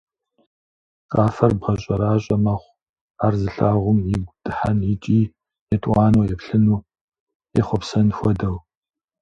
Къафэр бгъэщӀэращӀэ мэхъу, ар зылъагъум игу дыхьэн икӀи етӀуанэу еплъыну ехъуэпсэн хуэдэу.